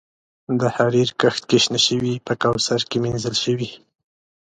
د حریر کښت کې شنه شوي په کوثر کې مینځل شوي